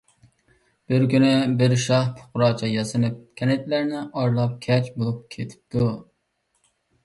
بىر كۈنى بىر شاھ پۇقراچە ياسىنىپ كەنتلەرنى ئارىلاپ، كەچ بولۇپ كېتىپتۇ.